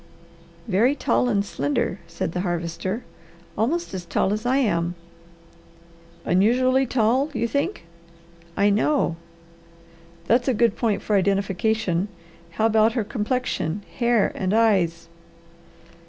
"Very tall and slender," said the Harvester. "Almost as tall as I am." "Unusually tall you think?" "I know!" "That's a good point for identification. How about her complexion, hair, and eyes?"